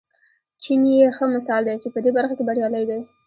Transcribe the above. چین یې ښه مثال دی چې په دې برخه کې بریالی دی.